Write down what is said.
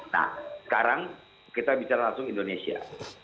nah sekarang kita bicara langsung indonesia